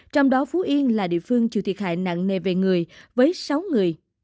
trong đó phú yên là địa phương chịu thiệt hại nặng nề về người với sáu người